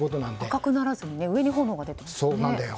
赤くならずに上に炎が出ていますね。